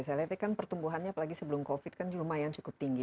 saya lihat kan pertumbuhannya apalagi sebelum covid kan lumayan cukup tinggi